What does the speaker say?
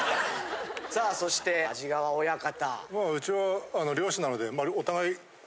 さあそして安治川親方。